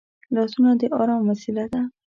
لاسونه د ارام وسیله ده